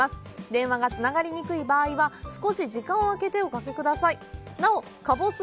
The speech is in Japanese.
電話がつながりにくい場合は少し時間を空けておかけ下さいなおかぼす